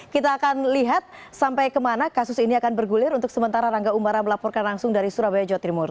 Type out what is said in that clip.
kita akan lihat sampai kemana kasus ini akan bergulir untuk sementara rangga umara melaporkan langsung dari surabaya jawa timur